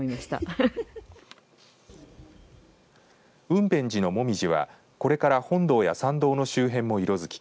雲辺寺の紅葉はこれから本堂や山道の周辺も色づき